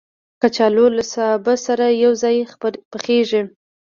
کچالو له سابه سره یو ځای پخېږي